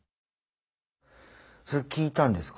それ聞いたんですか？